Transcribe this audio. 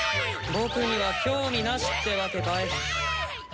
僕には興味なしってわけかい？